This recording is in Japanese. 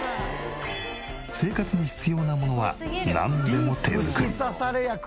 生活に必要なものはなんでも手作り。